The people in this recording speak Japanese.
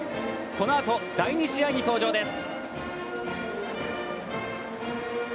このあと第２試合に出場です。